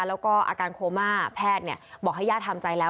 แล้วก็อาการโคม่าแพทย์บอกให้ย่าทำใจแล้ว